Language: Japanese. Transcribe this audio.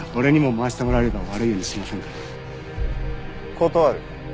断る。